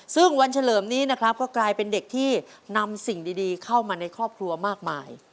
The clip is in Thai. ซึ่งวันเฉลิมนี้นะครับก็กลายเป็นเด็กที่นำสิ่งดีเข้ามาในครอบครัวมากมาย